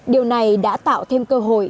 điều này đã tạo thêm cơ hội